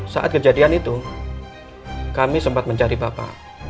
saat kejadian itu kami sempat mencari bapak